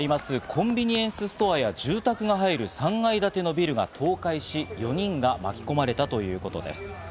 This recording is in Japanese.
コンビニエンスストアや住宅が入る３階建てのビルが倒壊し、４人が巻き込まれたということです。